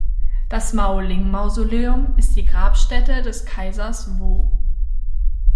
Das Maoling-Mausoleum ist die Grabstätte des Kaisers Wu.